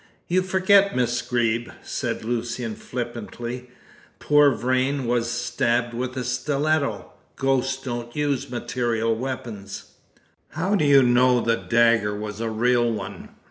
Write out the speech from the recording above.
"You forget, Miss Greeb," said Lucian flippantly, "poor Vrain was stabbed with a stiletto. Ghosts don't use material weapons." "How do you know the dagger was a real one?"